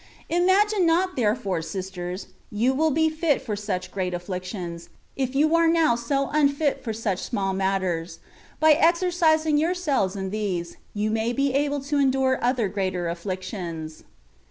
Imagine not there fore, sisters, you would be fit for such great afflictions, if you are now so unfit for such small matters; by exercising yourselves in these, you may be able to endure other greater afflictions.